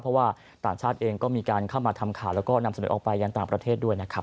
เพราะว่าต่างชาติเองก็มีการเข้ามาทำข่าวแล้วก็นำเสนอออกไปยังต่างประเทศด้วยนะครับ